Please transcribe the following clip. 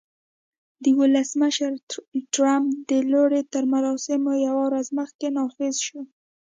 د ولسمشر ټرمپ د لوړې تر مراسمو یوه ورځ مخکې نافذ شو